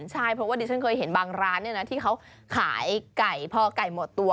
ใช่เพราะว่าดิฉันเคยเห็นบางร้านที่เขาขายไก่พอไก่หมดตัว